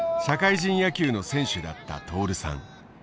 社会人野球の選手だった徹さん。